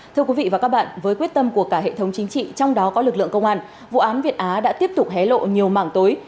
thưa quý vị và các bạn với quyết tâm của cả hệ thống chính trị trong đó có lực lượng công an vụ án việt á đã tiếp tục hé lộ nhiều mảng tối